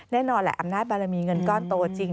แน่นอนแหละอำนาจบารมีเงินก้อนโตจริง